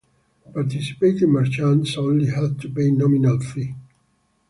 Participating merchants only had to pay nominal fee.